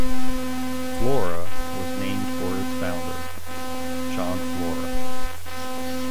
Flora was named for its founder, John Flora.